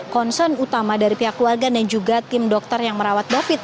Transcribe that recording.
concern utama dari pihak keluarga dan juga tim dokter yang merawat david